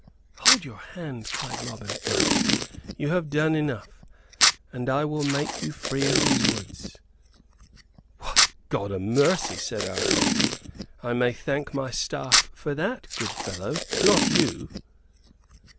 "Hold your hand," cried Robin, at last. "You have done enough, and I will make you free of these woods." "Why, God a mercy," said Arthur, "I may thank my staff for that, good fellow; not you."